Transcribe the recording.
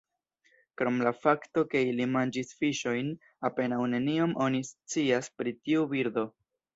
Krom la fakto ke ili manĝis fiŝojn, apenaŭ neniom oni scias pri tiu birdo.